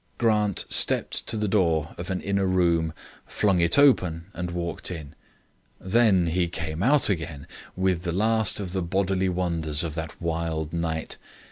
Grant stepped to the door of an inner room, flung it open and walked in. Then he came out again with the last of the bodily wonders of that wild night.